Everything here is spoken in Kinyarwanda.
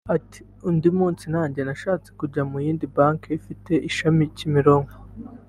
Ati “Undi munsi nanjye nashatse kujya mu yindi banki ifite ishami Kimironko